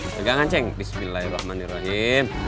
tegangan ceng bismillahirrahmanirrahim